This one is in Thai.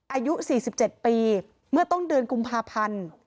อายุ๔๗ปีเมื่อต้นเดือนกุมภาพันธ์